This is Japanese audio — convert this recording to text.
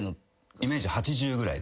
イメージ８０ぐらいですね